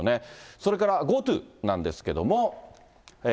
それからＧｏＴｏなんですけれども。